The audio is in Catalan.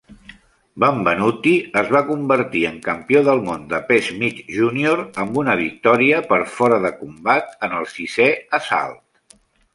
Benvenuti es va convertir en campió del món de pes mig junior amb una victòria per fora de combat en el sisè assalt.